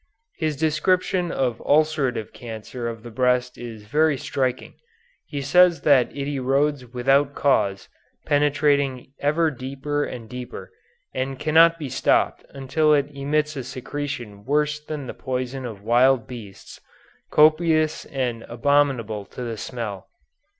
His description of ulcerative cancer of the breast is very striking. He says that it erodes without cause, penetrating ever deeper and deeper, and cannot be stopped until it emits a secretion worse than the poison of wild beasts, copious and abominable to the smell.